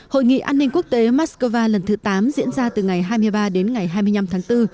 hội nghị an ninh quốc tế moscow lần thứ tám diễn ra từ ngày hai mươi ba đến ngày hai mươi năm tháng bốn